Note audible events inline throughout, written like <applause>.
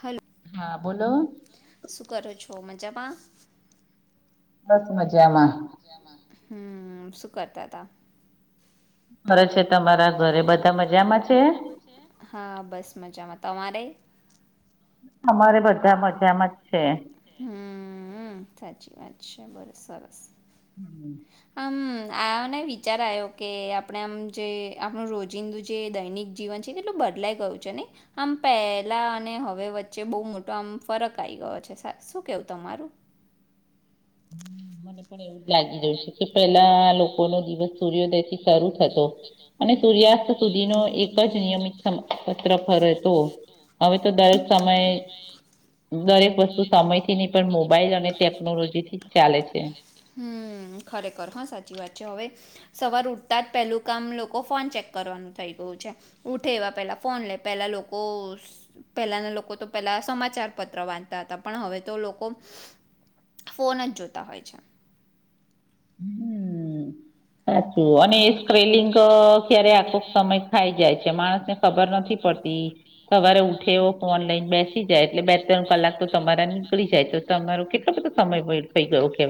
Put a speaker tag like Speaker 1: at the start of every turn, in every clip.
Speaker 1: હલ
Speaker 2: હા, બોલો.
Speaker 1: શું કરો છો, મજામાં.
Speaker 2: બસ, મજામાં.
Speaker 1: મજામાં. હમ, શું કરતા હતા.
Speaker 2: ફરે છે. તમારા ઘરે બધા મજામાં છે? અમારે બસ
Speaker 1: હમ, સાચી વાત છે બરોબર. સરસ.
Speaker 2: હમ.
Speaker 1: હમ, આ ને વિચાર આવ્યો કે આપણે આમ જે આપણું રોજિંદુ જે દૈનિક જીવન છે કેટલું બદલાઈ ગયું છે ને, આમ પહેલાં અને હવે વચ્ચે બહુ મોટો આમ ફરક આવી ગયો છે શું કેવું તમારું?
Speaker 2: મને પણ એવું લાગી જયું છે કે પેલા લોકો નો દિવસ સૂર્યોદય થી શરૂ થતો અને સૂર્યાસ્ત સુધીનો એક જ નિયમિત પત્ર પરર હતો હવે તો દરેક સમયે દરેક વસ્તુ સમયથી નહી પણ મોબાઈલ અને ટેકનોલોજીથી ચાલે છે
Speaker 1: હમ ખરેખર હા સાચી વાત છે હવે સવાર ઉઠતા જ પેલું કામ લોકો ફોન ચેક કરવાનું થઈ ગયું છે ઉઠે એવા પેલા ફોન લે પેલા લોકો પહેલાના લોકો તો પેલા સમાચાર પત્ર વાંધતા હતા પણ હવે તો લોકો ફોન જ જોતા હોય છે
Speaker 2: હમ હચછ અને એ સ્ક્રેલિંગ ક્યારે આખો સમય ખાઈ જાય છે માણસ ને ખબર નથી પડતી સવારે ઉઠેવ ફોન લઈન બેસ જાય એટલે બે ત્રણ કલાક તો તમારા નીકળી જાય તો તમારું કેટલોું બધું તમે થઈ ગયો કે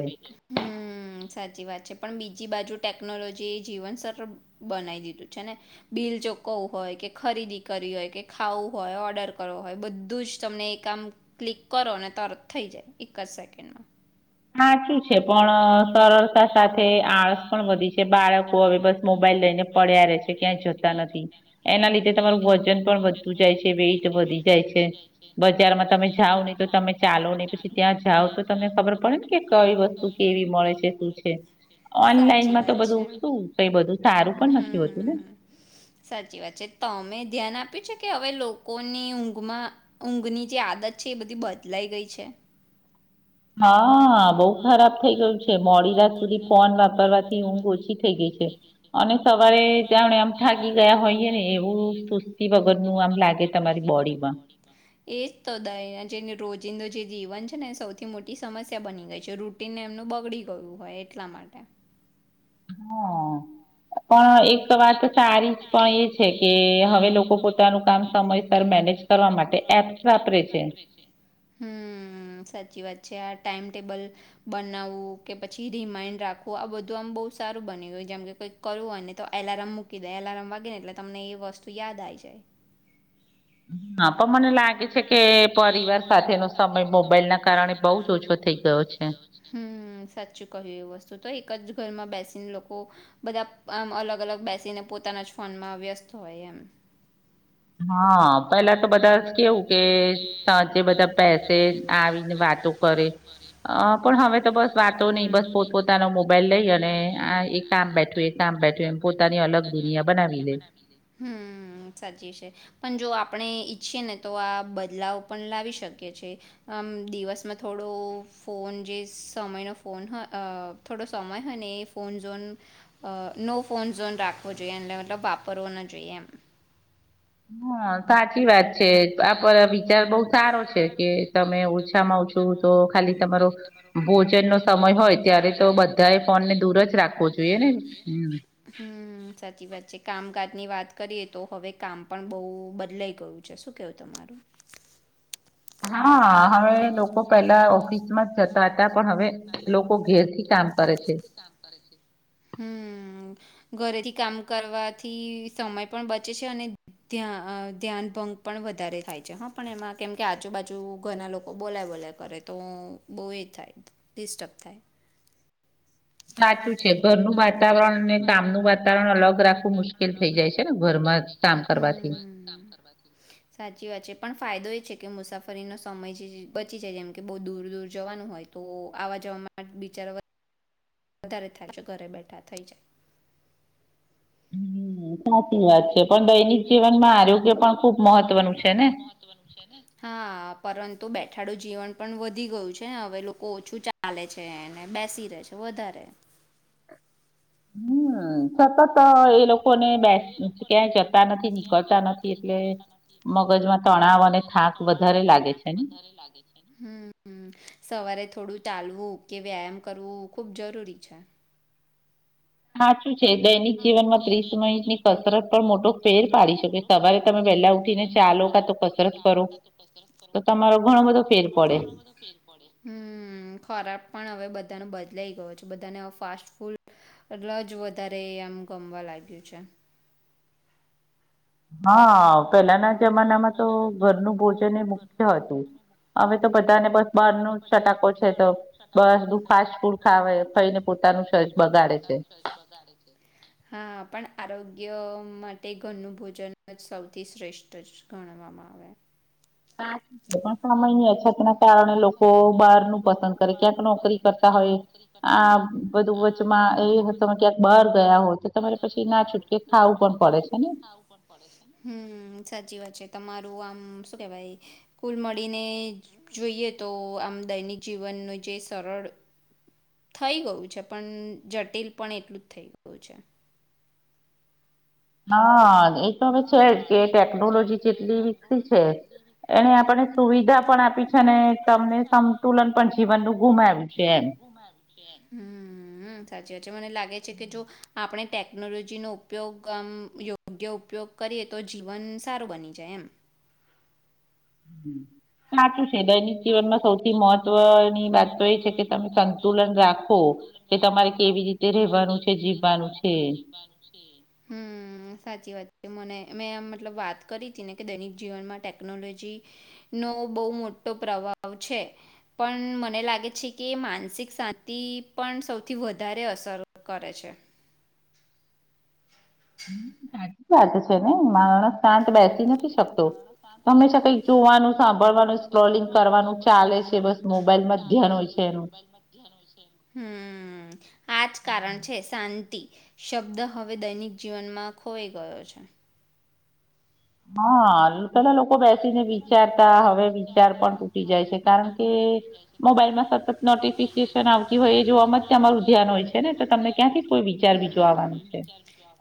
Speaker 1: હમ સાચી વાત છે પણ બીજી બાજુ ટેકનોલોજી એ જીવન સરળ બનાવી દીધું છે ને બિલ ચોકવું હોય કે ખરીદી કર હોય કે ખાવું હોય ઓર્ડર કરવો હોય બધું જ તમને એ કામ ક્લિક કરો ને તરત થઇ જાય એક જ સેકન્ડ ન
Speaker 2: સાચું છે પણ સરળતા સાથે આળસ પણ વધી છે બાળકો હવે બસ મોબાઈલ લઈને પડ્યા ર છે ક્યાંય જતા નથી એના લીધે તમારું વજન પણ વધતું જાય છે વેઇટ વધી જાય છે બજારમાં તમે જાઓ નહીિ તો તમે ચાલો નહીિ પછી ત્યાં જાઓ તો તમને ખબરડ કે કઈ વસ્તુ કેવી મળે છે શું છે
Speaker 1: સાચી વાત છે હમ સાચી વાત છે તમે ધ્યાન આપ આપ્યું છે કે હવે લોકોની ઊંઘમાં ઊંઘની જે આદત છે એ બધી બદલાઈ ગઈ છે
Speaker 2: હા બહુ ખરાબ થઈ ગયું છે મોડી રાત સુધી ફોન વાપરવાથી ઊંઘ ઓછી થઈ ગઈ છે અને સવારે તણે આમ થાગી ગયા હોઈએ ને એવું સુસ્તી વગરનું આમ લાગે તમારી બોડીમાં
Speaker 1: એજ તો જે રોજિંદો જે જીવન છે ને સૌથી મોટી સમસ્યા બની ગઈ છે રૂટીન એમનું બગડી ગયું હોય એટલા માટે
Speaker 2: હ પણ એક વાત સારી જ પણ એ છે કે હવે લોકો પોતાનું કામ સમયસર મેનેજ કરવા માટે એપ્સ વાપરે છે
Speaker 1: હમ્ સાચી વાત છે આ ટાાઈમ ટેબલ બનાવવું કે પછી રિમાઈન્ડ રાખવું આ બધું આમ બહુ સારું બન ગયું જેમ કે કોઈક કરવું હોય ને તો એલાર્મ મૂકી દે એલાર્મ વાગે ને એટલે તમને એ વસ્તુ યાદ આ જાય પણ મ લાગે છે કારછ થ ગયો સાચું કહ એ વસ્તુ તો એક જ ઘરમાં બેસીને લોકો બધા આમ અલગ અલગ બેસીને પોતાના જ ફોનમાં વ્યસ્ત હોય એમ
Speaker 2: હા પેલા તો બધા કેવું કે જે બધા પસે આવીને વાતો કરે પણ હવે તો બસ વાતો નહી બસ પોતપોતાનો મોબાઈલ લઈ અને આ એ કામ બેઠું એ કામ બેઠું એમ પોતાની અલગ દુનિયા બનાવી લે
Speaker 1: હમ સાચી છે પણ જો આપણે ઈચ્છીએ ને તો આ બદલાવ પણ લાવી શકીએીએ આમ દિવસમાં થોડો ફોન જે સમયનોો ફોન હો થોડો સમય હોય ને એ ફોન ઝોન નો ફોન ઝોન રાખવો જોઈએ એલે મતલબ વાપરવો જોઈએ એમ.
Speaker 2: હા.
Speaker 1: સાચી વાત છે આપ વિચાર બહુ સારો છે કે તમે ઓછામાં ઓછું તો ખાલી તમારો ભોજનનો સમય હોય ત્યારે તો બધાએ ફોનને દૂર જ રાખવો જોઈએને હમ્મ સાચી વાત છે કામકાજ ની વાત કરીએ તો હવે કામ પણ બહુ બદલાઈ ગયું છે શું કેવું તમારું?
Speaker 2: હા હવે લોકો પેહલા ઓફિસમાં જતા હતા પણ હવે લોકો ઘેરથી કામ કરે છે.
Speaker 1: હમ્મ, ઘરેથી કામ કરવાથી સમય પણ બચે છે અને ધ્ય ધ્યાન ભંગ પણ વધારે થાય છે હા પણ એમાં કેમ કે આજુબાજુ ઘરના લોકો બોલાય બોલાય કરે તો બહુ એ થાય ડિસ્ટર્બ થાય.
Speaker 2: સાચું છે ઘરનું વાતાવરણ અને કામનું વાતાવરણ અલગ રાખવું મુશ્કેલ થઈ જાય છે ને ઘરમાં કામ કરવાથી.
Speaker 1: કે મુસાફરીનો સમય બચી જે જાય જેમ કે બહુ દૂર દૂર જવાનું હોય તો આવા જવામાં બિચારા વધારે થાક જો ઘરે બેઠા થઈ જાય.
Speaker 2: હમ્મ, સાચી વાત છે.
Speaker 1: સાચી વાત છે પણ દૈનિક જીવનમાં આરોગ્ય પણ ખુબ મહત્વનું છે ને? હા. પરંતુ બેઠાડું જીવન પણ વધી ગયું છે ને અવે લોકો ઓછું ચાલે છેને બેસી રહે છે વધારે.
Speaker 2: હમ્મ, સતત એ
Speaker 1: સતત એ લોકોને બેઠ કયાંય જતા નથી નીકળતા નથી એટલે મગજમાં તણાવ અને થાક વધારે લાગે છે ને સવારે થોડું ચાલવું કે વ્યાયામ કરવું ખુબ જરૂરી છે.
Speaker 2: હાચી
Speaker 1: છે દૈનિક જીવનમાં ત્રીસ મિનિટની કસરત પણ મોટો ફેર પાડી શકે સવારે તમે વહેલા ઉઠીને ચાલો કા તો કસરત કરો તો તમારો ઘણો બધો ફેર પડે હમ્મ ખોરાક પણ હવે ધાનો બદલાઈ ગયો છે બધાને અવે ફાસ્ટફૂડ ર જ વધારે ધારે આમ ગમવા લાગ્યું છે.
Speaker 2: હા.
Speaker 1: હા પેલાના જમાનામાં તો ઘરનું ભોજન એ મુખ્ય હતું અવે તો બધાને બસ બારનો ચટાકો છે તો બસધું ફાસ્ટફૂડ ખાવે ખઈને પોતાનું શરીર બગાડે છે હ પણ આરો ગ્ય માટે ઘરનું ભોજન જ સૌથી શ્રેષ્ઠ જ ગણવામાં આવે.
Speaker 2: પણ સમયની અછત કારણે લોકો બહારનું પસંદ કરે ક્યાંક નોકરી કરતા હોય આ બધું વચમાં એ તમે ક્યાંક બાર
Speaker 1: હમ્મ, સાચી વાત છે તમારે આમ શું કહેવાય કુલ મળીને જોઈએ તો આમ દૈનિક જીવનનું જે સરળ થઈ ગયું છે પણ જટિલ પણ એટલું જ થઈ ગયું છે.
Speaker 2: હા એક હવે છે જ કે ટેકનોલોજી જેટલી વિકસી છે એને આપને સુવિધા પણ આપી છે ને તમને સંતુલન પણ જીવનનું ગુમાવ્યું છે એમ.
Speaker 1: છે એમ હમ્મ, સાચી વાત. છે મને લાગે છે કે જો આપણે ટેકનોલોજીનો ઉપયોગ આમ યોગ્ય ઉપયોગ કરીએ તો જીવન સારું બની જાય એમ.
Speaker 2: સાચું
Speaker 1: સાચું છે દનિક જીવનમાં સૌથી મહત્વની વાત તો એ છે કે તમે સંતુલન રાખો કે તમારે કેવી રીતે રવાનું છે, જીવવાનું છે સાચી વાત. મને મેં મતલબ વાત કરી હતી ને કે દૈનિક જીવનમાં ટેકનોલોજીનો બહુ મોટ. મોટો પ્રભાવ છે પણ મને લાગે છે કે માનસિક શાંતિ પણ સૌથી વધારે અસર કરે છે. હ <inaudible>
Speaker 2: વાત છે ને.
Speaker 1: આજ કારણ છે. શબ્દ હવે દૈનિક જીવનમાં ખોઈ ગયો છે.
Speaker 2: હા પેલા લોકો બે.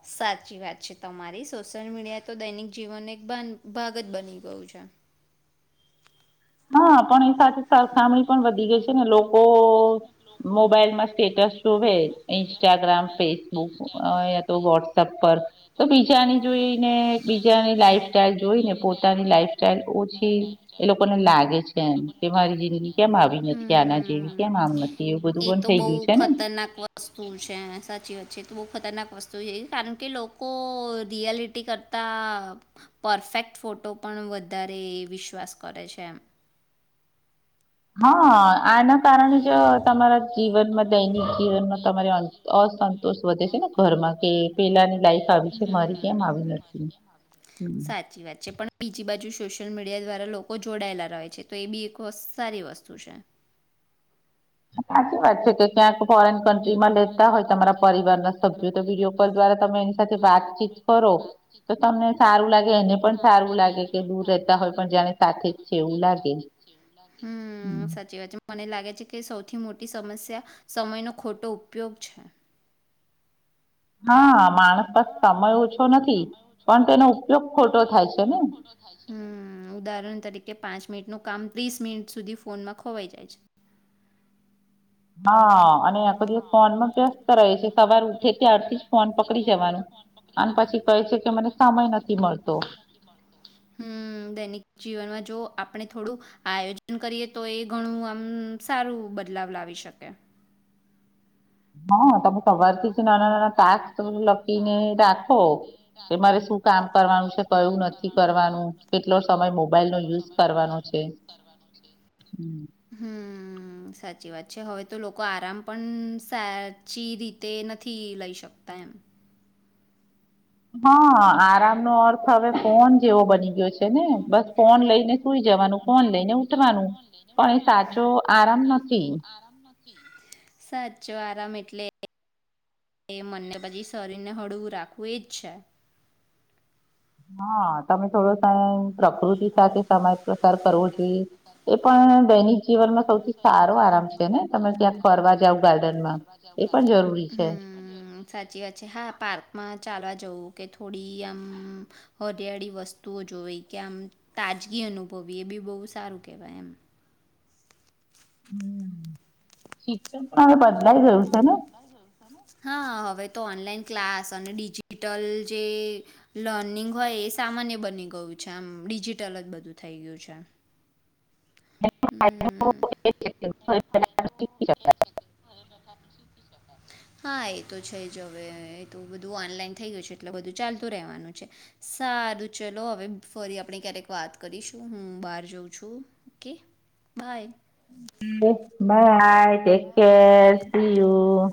Speaker 1: સાચી વાત છે તમારી સોશિયલ મીડિયા તો દૈનિક જીવનને એક ભાગ જ બની ગયું છે.
Speaker 2: હા પણ એ સાચું. સરખામણી પણ વધી ગઈ છે, ને લોકો ઓ મોબાઈલ મસ્ત. એટ શુભે ન્સ્ટાગ્રામ ફેજ આ તો વોટ્સઅપ પર તો બીજાની જોઈને બીજાની લાઈફ સ્ટાઈલ જોઈને પોતાની લાઈફ સાઈલ ઓછી એ
Speaker 1: એતો બઉ ખતરનાક વસ્તુ છે સાચી વાત. છે તો બહુ ખતરનાક વસ્તુ છે, કારણ કે લોકો રિયાલિટી કરતાં પરફેક્ટ ફોટો પણ વધારે એ વિશ્વાસ કરે છે એમ.
Speaker 2: હા. આના કારણે જ તમારા જીવનમાં દૈનિક જીવનમાં તમારે અ. અસંતોષ વધે છે ને. ઘરમાં કે પેલાની લાઈફ આવી છે, મારી કેમ આવી નથી
Speaker 1: સોશિયલ મીડિયા દ્વારા લોકો જોડાયેલા રહે છે, તો એ બી એક સારી વસ્તુ છે.
Speaker 2: સાચી વાત છે કે
Speaker 1: <unintelligible> હમ સાચ વાત મ છે કે સૌથી મોટી સમસ્યા સમયનો ખોટો ઉપયોગ છે.
Speaker 2: હા. માણસ પર સમય ઓછો નથી પણ તેનો ઉપયોગ ખોટો થાય છે ને.
Speaker 1: મિનિટનું કામ ત્રીસ મિનિટ સુધી ફોનમાં ખોવાઈ જાય છે.
Speaker 2: હા. આખો દિવસ ફોનમાં વ્યસ્ત રહે છે, સવાર ઉઠે ત્યારથી જ ફોન પકડી જવાનું અને પછી કહે છે કે મને સમય નથી મળતો.
Speaker 1: હમ દૈનિક જીવનમાં જો આપણે થોડું આયોજન કરીએ, તો એ ઘણું આમ સારું બદલાવ લાવી શકે.
Speaker 2: હા તમને સ્વાર્થી નાના નાના ટાસ્ક લખીને રાખો કે મારે શું કામ કરવાનું છે કયું નથી કરવાનું કેટલો સમય મોબાઈલ નો યુઝ કરવાનો છે.
Speaker 1: હમ સાચી વાત છે, હવે તો લોકો આરામ પણ સાચી રીતે નથી લઈ શકતા એમ.
Speaker 2: હા આરામનો અર્થ હવે ફોન જેવો બની ગયો છે, ને બસ ફોન લઈને ઈ જવાનું કોણ લઈને ઉઠવાનું પણ એ સાચો આરામ નથી.
Speaker 1: સાચો આરામ એટલે મને પછી શરીરને હળવું રાખવું એજ છે.
Speaker 2: હા. તમે થોડો સા પ્રકૃતિ સાથે સમય પસાર કરવો જોઈએ એ પણ દૈનિક
Speaker 1: હમ્મ સાચી વાત છે હા પાર્કમાં ચાલવા જવું કે થોડી આમ હળિયાળી વસ્તુઓ જોવી કે આમ તાજગી અનુભવી, એ બી બહુ સારું કેહેવાય એમ.
Speaker 2: હમ્મ શિક્ષણ પણ હવે બદલાઈ ગયું છે ને.
Speaker 1: હા. હવે તો ઓનલાઈન ક્લાસ અને ડિજિટલ જે લર્નિંગ હોય એ સામાન્ય બની ગયું છે. આમ ડિજિટલ જ બધું થઈ ગયું છે.
Speaker 2: <unintelligible>
Speaker 1: હા. એ તો છે જ હવે એ તો બધું ઓનલાઈન થઈ ગયું છે, એટલે બધું ચાલતું રહેવાનું છે, સારું ચલો હવે ફરી આપણે ક્યારેક વાત કરીશું હું બહાર જાઉં છું. Okay bye.
Speaker 2: હ બાય. કે કે સીયું